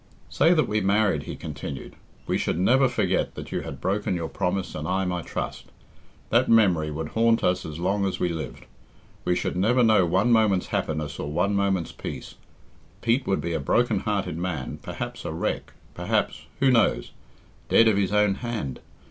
"Say that we married," he continued; "we should never forget that you had broken your promise and I my trust. That memory would haunt us as long as we lived. We should never know one moment's happiness or one moment's peace. Pete would be a broken hearted man, perhaps a wreck, perhaps who knows? dead of his own hand.